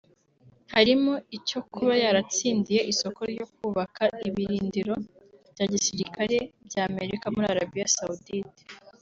harimo icyo kuba yaratsindiye isoko ryo kubaka ibirindiro bya gisirikari by’ Amerika muri Arabia Saoudite